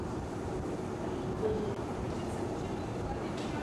Yüz elli.